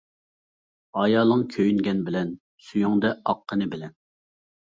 ئايالىڭ كۆيۈنگەن بىلەن، سۈيۈڭدە ئاققىنى بىلەن.